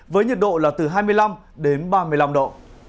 với nhiệt độ là từ hai mươi năm đến ba mươi năm độ